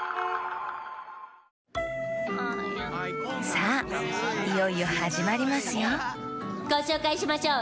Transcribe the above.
さあいよいよはじまりますよごしょうかいしましょう。